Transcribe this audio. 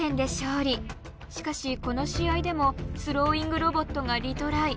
しかしこの試合でもスローイングロボットがリトライ。